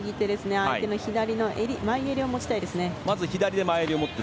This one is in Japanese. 相手の前襟を持ちたいですね。